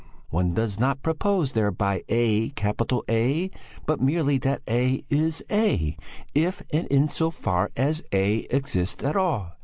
"'One does not propose thereby A (capital A), but merely that A A, if and in so far as A exists at all.